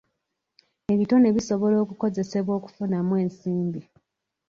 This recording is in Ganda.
Ebitone bisobola okukozesebwa okufunamu ensimbi .